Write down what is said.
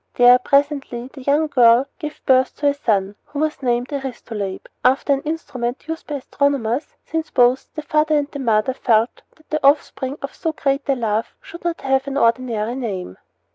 There, presently, the young girl gave birth to a son, who was named Astrolabe, after an instrument used by astronomers, since both the father and the mother felt that the offspring of so great a love should have no ordinary name.